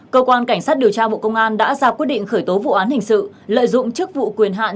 cơ quan cảnh sát điều tra bộ công an đã ra quyết định khởi tố vụ án hình sự lợi dụng chức vụ quyền hạn